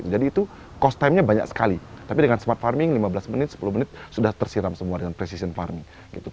jadi itu cost timenya banyak sekali tapi dengan smart farming lima belas menit sepuluh menit sudah tersiram semua dengan precision farming